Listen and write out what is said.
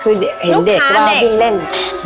คือเห็นเด็กแล้วมาวิ่งเล่น